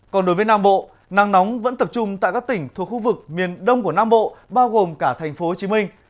còn đối với nam bộ nắng nóng vẫn tập trung tại các tỉnh thuộc khu vực miền đông của nam bộ bao gồm cả thành phố hồ chí minh